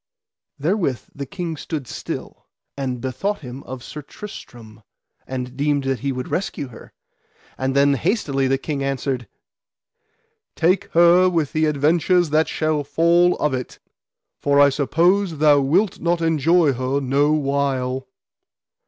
Therewith the king stood still, and bethought him of Sir Tristram, and deemed that he would rescue her. And then hastily the king answered: Take her with the adventures that shall fall of it, for as I suppose thou wilt not enjoy her no while.